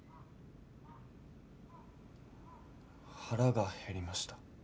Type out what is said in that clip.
腹が減りました。